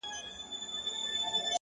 پرمختګ د ځان اصلاح ته اړتیا لري!.